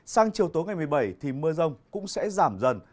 sang chiều tối ngày một mươi bảy thì mưa rông cũng sẽ giảm dần